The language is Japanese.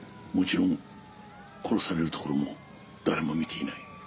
もちろん殺されるところも誰も見ていない。